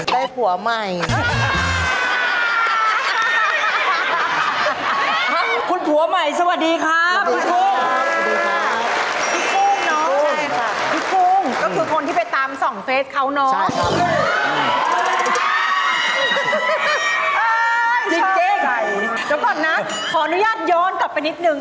เดี๋ยวก่อนนะขออนุญาตย้อนกลับไปนิดนึง